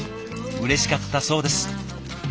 うれしかったそうです。